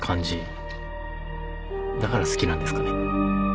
だから好きなんですかね。